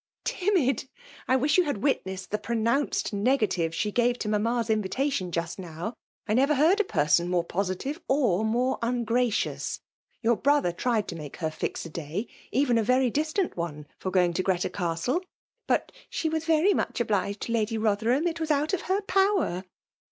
" Timid 1 — I wish you had witnessed the pronounced negative she gave to mamma's invitation, just now! — I never heard a person more poMtive or more ungraeious. Your bro ther tried to make her fix a day, even a vetj distant one, for going to Greta Castle r ^but 'she was very much obliged to Lady Bother^ ham ; it was out of her power.'